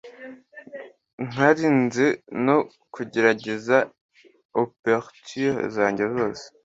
ntarinze no kugerageza aperture zanjye zose